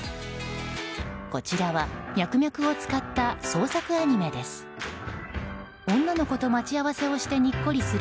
こちらはミャクミャクを使った創作アニメです。